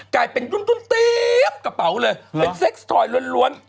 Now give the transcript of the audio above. กลายเป็นกุ้นเนี่ยกระเป๋าเลยเป็นเทสทอยล้น